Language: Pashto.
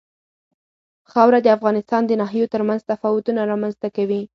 خاوره د افغانستان د ناحیو ترمنځ تفاوتونه رامنځ ته کوي.